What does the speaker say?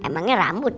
yang ini rambut